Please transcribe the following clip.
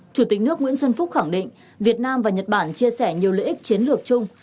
chủ tịch nước nguyễn xuân phúc khẳng định việt nam và nhật bản chia sẻ nhiều lợi ích chiến lược chung